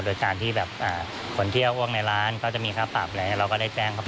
โดยการที่แบบขนเที่ยวอวกในร้านก็จะมีค่าปรับเราก็ได้แจ้งครับ